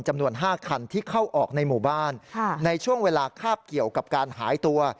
จำนวน๕คันที่เข้าออกในหมู่บ้านในช่วงเวลาคาบเกี่ยวกับการหายตัว